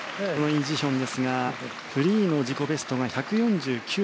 イ・ジヒョンですがフリーの自己ベストは１４９．１９。